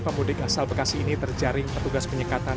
pemudik asal bekasi ini terjaring petugas penyekatan